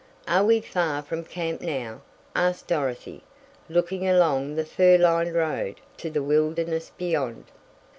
"Are we far from camp now?" asked Dorothy, looking along the fir lined road to the wilderness beyond.